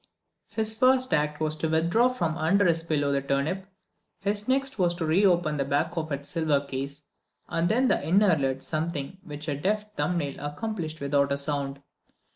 His first act was to withdraw from under his pillow the turnip, his next to re open the back of its silver case and then the inner lid—something which a deft thumbnail accomplished without a sound.